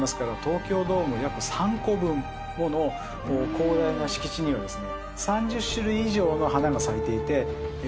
広大な敷地にはですね。